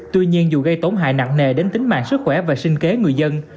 tuy nhiên dù gây tổn hại nặng nề đến tính mạng sức khỏe và sinh kế người dân